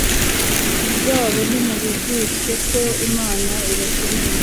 bwabo Nimubigishe ko Imana ibakeneye